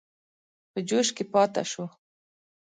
په جوش کې پاته شو.